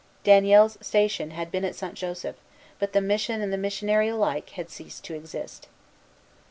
Daniel's station had been at St. Joseph; but the mission and the missionary had alike ceased to exist.